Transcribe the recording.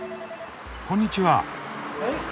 こんにちは。